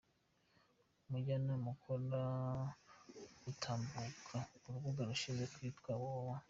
Ubujyanama akora butambuka ku rubuga yashinze rwitwa www.